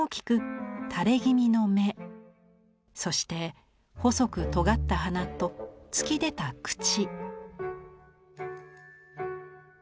そして細くとがった鼻と突き出た口。